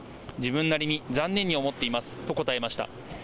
自分なりに残念に思っていますと答えました。